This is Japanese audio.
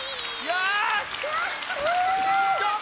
よし！